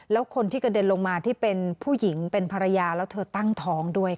แล้วคนที่กระเด็นลงมาที่เป็นผู้หญิงเป็นภรรยาแล้วเธอตั้งท้องด้วยค่ะ